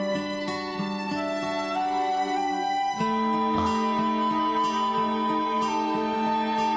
ああ。